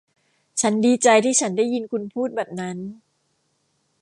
ฉันดีใจที่ได้ยินคุณพูดแบบนั้น